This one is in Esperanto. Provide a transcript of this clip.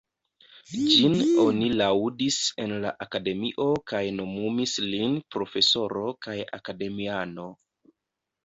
Ĝin oni laŭdis en la Akademio kaj nomumis lin profesoro kaj akademiano.